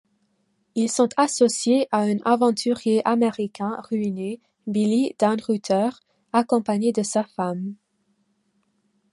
Ils sont associés à un aventurier américain ruiné, Billy Dannreuther, accompagné de sa femme.